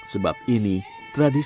sebab ini terakhir